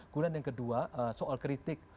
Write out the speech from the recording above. kemudian yang kedua soal kritik